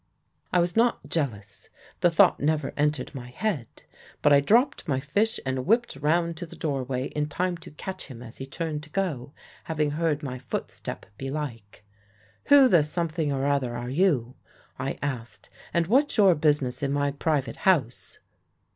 "I was not jealous. The thought never entered my head. But I dropped my fish and whipped round to the doorway in time to catch him as he turned to go, having heard my footstep belike. "'Who the something or other are you?' I asked. 'And what's your business in my private house?'